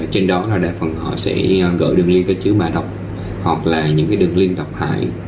trên đó đa phần họ sẽ gởi đường link tới chữ mà đọc hoặc là những đường link đọc hại